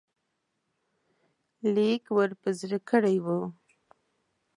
لیک ور په زړه کړی وو.